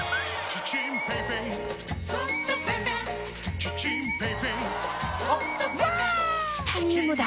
チタニウムだ！